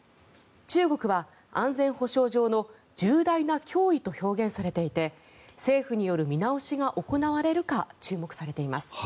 中国は安全保障上の重大な脅威と表現されていて政府による見直しが行われるか注目されています。